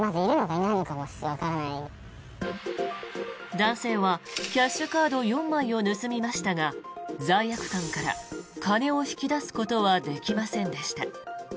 男性はキャッシュカード４枚を盗みましたが罪悪感から金を引き出すことはできませんでした。